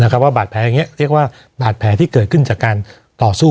ว่าบาดแผลอย่างนี้เรียกว่าบาดแผลที่เกิดขึ้นจากการต่อสู้